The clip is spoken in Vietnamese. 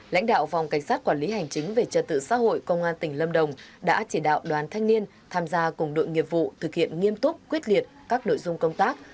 lãnh đạo phòng cảnh sát quản lý hành chính về trật tự xã hội công an tỉnh lâm đồng đã chỉ đạo đoàn thanh niên tham gia cùng đội nghiệp vụ thực hiện nghiêm túc quyết liệt các nội dung công tác